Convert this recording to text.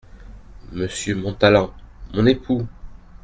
Monsieur Montalon ! mon époux !